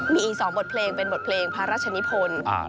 มีอีกสองบทเพลงเป็นเป็นบทเพลงพระราชนิพนธ์